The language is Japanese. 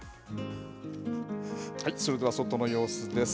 それでは外の様子です。